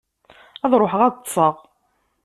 Ad ṛuḥeɣ ad ṭṭseɣ.